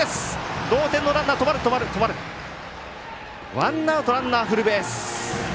ワンアウト、ランナーフルベース。